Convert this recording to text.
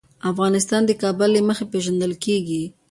افغانستان د کابل له مخې پېژندل کېږي.